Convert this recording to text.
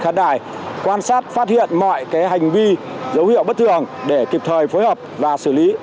khán đài quan sát phát hiện mọi hành vi dấu hiệu bất thường để kịp thời phối hợp và xử lý